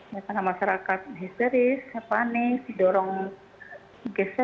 ternyata masyarakat histeris panik didorong geser